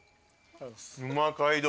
うま街道。